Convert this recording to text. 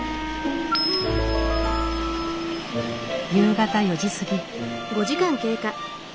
夕方４時過ぎ。